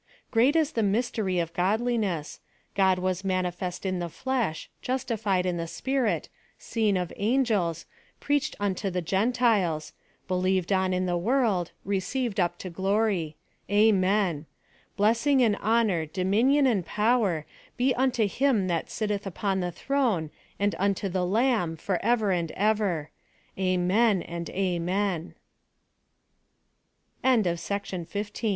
"Great is the mystery of godliness : God was manifest in the flesh — justified in the spirit — seen of angels — preached unto the Gentiles — believed on in the world — received up into Glory" — amen : blessing and honor, dominion and power, be unto Him that sitteth upon the throne, and unto the Lamb, for ever and